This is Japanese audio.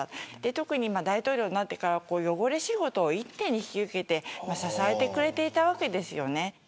特に、大統領になってから汚れ仕事を一気に引き受けて支えてくれていたわけですよね。